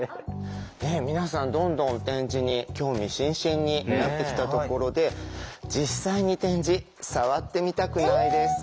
ねえ皆さんどんどん点字に興味津々になってきたところで実際に点字触ってみたくないですか？